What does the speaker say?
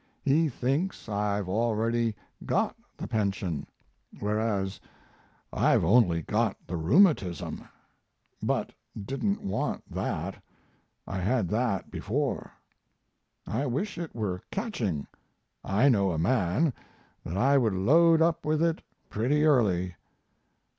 He thinks I've already got the pension, whereas I've only got the rheumatism; but didn't want that I had that before. I wish it were catching. I know a man that I would load up with it pretty early.